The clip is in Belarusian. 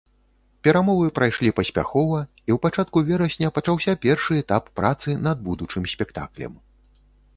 Перамовы прайшлі паспяхова, і ў пачатку верасня пачаўся першы этап працы над будучым спектаклем.